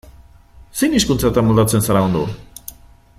Zein hizkuntzatan moldatzen zara ondo?